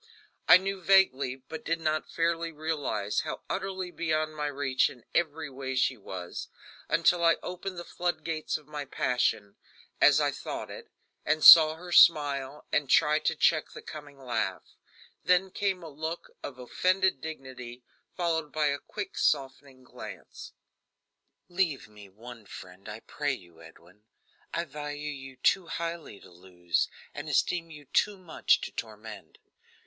I knew vaguely but did not fairly realize how utterly beyond my reach in every way she was until I opened the flood gates of my passion as I thought it and saw her smile, and try to check the coming laugh. Then came a look of offended dignity, followed by a quick softening glance. "Leave me one friend, I pray you, Edwin. I value you too highly to lose, and esteem you too much to torment.